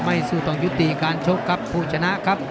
สู้ต้องยุติการชกครับผู้ชนะครับ